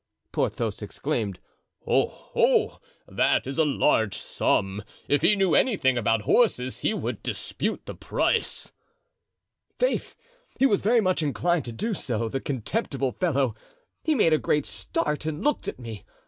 Porthos exclaimed. "Oh! oh! that is a large sum. If he knew anything about horses he would dispute the price." "Faith! he was very much inclined to do so, the contemptible fellow. He made a great start and looked at me.